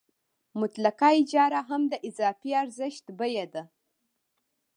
مطلقه اجاره هم د اضافي ارزښت بیه ده